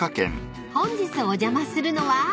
［本日お邪魔するのは］